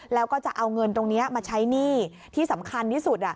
แล้วก็จะเอาเงินตรงนี้มาใช้หนี้ที่สำคัญที่สุด